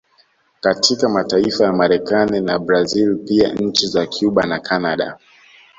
Katika mataifa ya Marekani na Brazil pia nchi za Cuba na Canada